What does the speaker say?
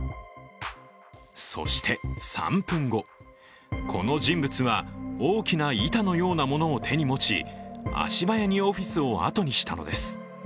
そして、３分後、この人物は、大きな板のようなものを手に持ち足早にオフィスをあとにしたのです。